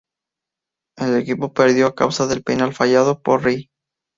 El equipo perdió a causa del penal fallado por Ri.